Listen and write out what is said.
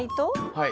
はい。